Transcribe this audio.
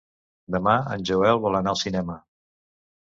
Demà en Joel vol anar al cinema.